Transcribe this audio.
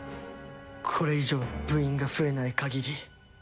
これ以上部員が増えない限り。